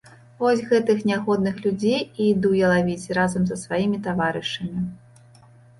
Вось гэтых нягодных людзей і іду я лавіць разам са сваімі таварышамі.